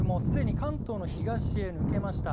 すでに関東の東へ抜けました。